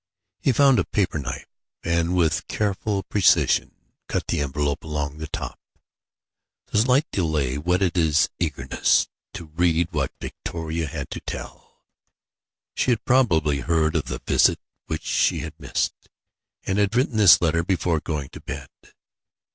He found a paper knife and with careful precision cut the envelope along the top. The slight delay whetted his eagerness to read what Victoria had to tell. She had probably heard of the visit which she had missed, and had written this letter before going to bed.